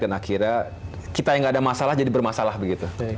dan akhirnya kita yang ada masalah jadi bermasalah begitu